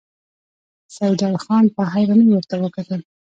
سيدال خان په حيرانۍ ورته وکتل.